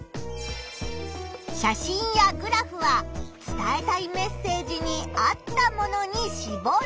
写真やグラフは伝えたいメッセージに合ったものにしぼる。